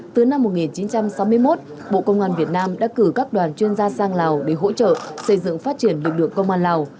từ năm một nghìn chín trăm sáu mươi một bộ công an việt nam đã cử các đoàn chuyên gia sang lào để hỗ trợ xây dựng phát triển lực lượng công an lào